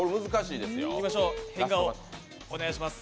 いきましょう、変顔お願いします。